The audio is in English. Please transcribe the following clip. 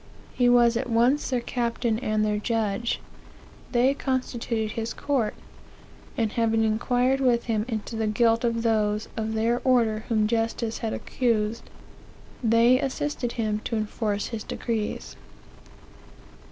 He was at once their captain and their judge. They constituted his court; and having inquired with him into the guilt of those of their order whom justice had accused, they assisted him to enforce his decrees.